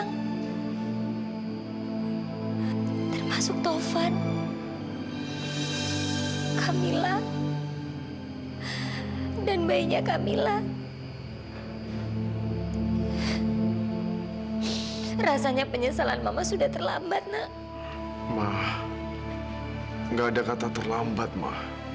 gak ada kata terlambat ma